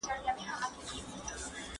د سولي لپاره سیمه ایزي غونډي جوړیدې.